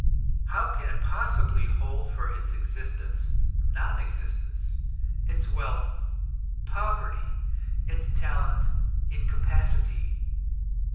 How can it possibly hold its existence non existence, its wealth poverty, its talent incapacity?